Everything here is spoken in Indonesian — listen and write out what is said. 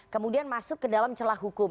kemudian masuk ke dalam celah hukum